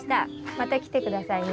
また来てくださいね。